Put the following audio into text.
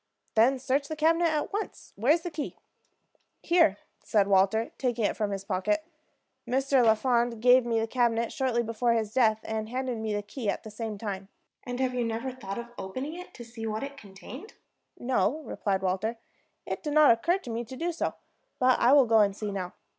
"Then search the cabinet at once. Where is the key?" "Here," said Walter, taking it from his pocket. "Mr. Lafond gave me the cabinet shortly before his death, and handed me the key at the same time." "And have you never thought of opening it to see what it contained?" "No," replied Walter. "It did not occur to me to do so. But I will go and see now."